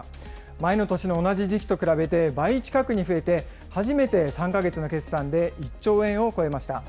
前の年の同じ時期と比べて、倍近くに増えて、初めて３か月の決算で１兆円を超えました。